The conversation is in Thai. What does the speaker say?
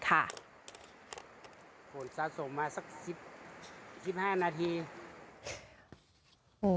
ขนสะสมมาสัก๑๕นาที